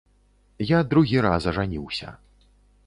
Я другі раз ажаніўся.